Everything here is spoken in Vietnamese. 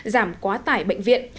giảm quá tải bệnh viện